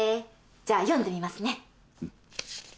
じゃあ読んでみますね。